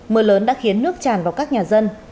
mưa lớn đã khiến nước tràn vào các nhà dân